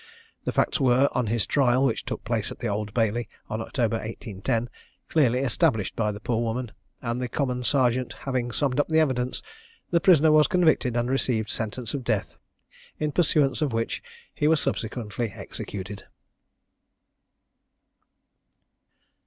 The facts were, on his trial, which took place at the Old Bailey, in October 1810, clearly established by the poor woman, and the Common Serjeant having summed up the evidence, the prisoner was convicted and received sentence of death, in pursuance of which he was subsequently executed.